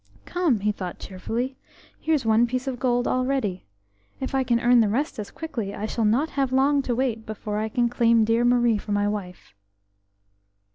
"Come," he thought cheerfully, "here's one piece of gold already. If I can earn the rest as quickly I shall not have long to wait before I can claim dear Marie for my wife."